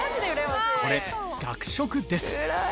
これ学食です